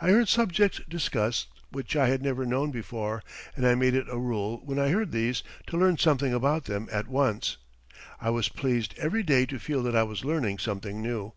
I heard subjects discussed which I had never known before, and I made it a rule when I heard these to learn something about them at once. I was pleased every day to feel that I was learning something new.